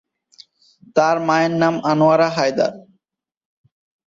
তার মায়ের নাম আনোয়ারা হায়দার।